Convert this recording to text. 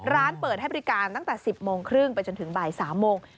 ร้านเปิดให้บริการตั้งแต่๑๐โมงครึ่งไปจนถึงบ่าย๓โมง